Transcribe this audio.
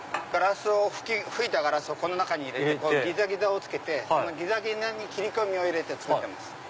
吹いたガラスをこの中に入れてギザギザをつけてギザギザに切り込みを入れて作ってます。